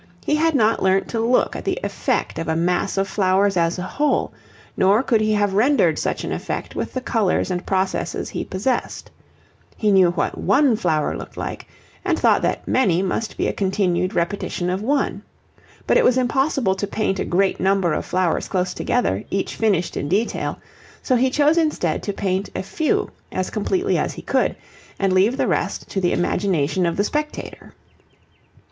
He had not learnt to look at the effect of a mass of flowers as a whole, nor could he have rendered such an effect with the colours and processes he possessed. He knew what one flower looked like, and thought that many must be a continued repetition of one. But it was impossible to paint a great number of flowers close together, each finished in detail, so he chose instead to paint a few as completely as he could, and leave the rest to the imagination of the spectator.